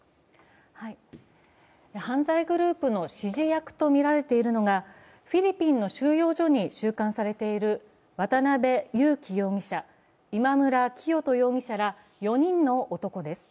犯罪グループの指示役とみられているのがフィリピンの収容所に収監されている渡辺優樹容疑者、今村磨人容疑者ら４人の男です。